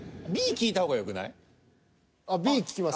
あっＢ聞きます？